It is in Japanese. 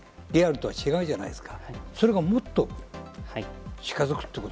リアルとは違うじゃないですか。